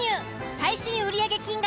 最新売り上げ金額